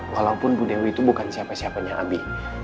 walaupun bu dewi itu bukan siapa siapanya abi